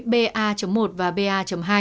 ba một và ba hai